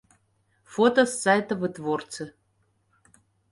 Фота з сайта вытворцы.